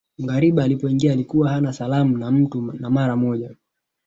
Ngariba alipoingia alikuwa hana salamu na mtu na mara moja